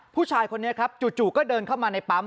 ผู้ชายคนนี้ครับจู่ก็เดินเข้ามาในปั๊ม